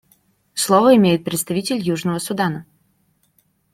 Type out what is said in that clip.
Слово имеет представитель Южного Судана.